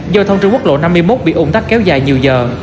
do thông trường quốc lộ năm mươi một bị ủng tắc kéo dài nhiều giờ